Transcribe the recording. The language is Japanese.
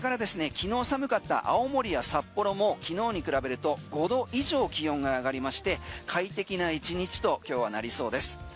昨日寒かった青森札幌も昨日に比べると５度以上気温が上がりまして快適な１日と今日はなりそうです。